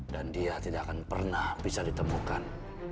dan dia tidak akan pernah bisa ditemukan